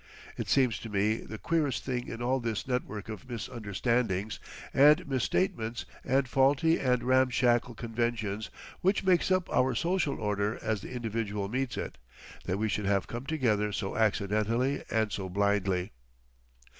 It seems to me the queerest thing in all this network of misunderstandings and misstatements and faulty and ramshackle conventions which makes up our social order as the individual meets it, that we should have come together so accidentally and so blindly.